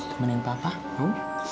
temenin papa mau